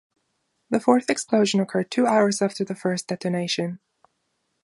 The fourth explosion occurred two hours after the first detonation.